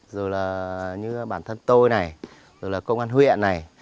rồi là như bản thân tôi này rồi là công an huyện này